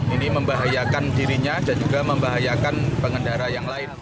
ini membahayakan dirinya dan juga membahayakan pengendara yang lain